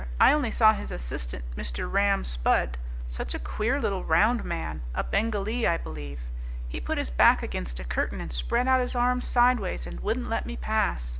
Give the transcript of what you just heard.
I only saw his assistant Mr. Ram Spudd; such a queer little round man, a Bengalee, I believe. He put his back against a curtain and spread out his arms sideways and wouldn't let me pass.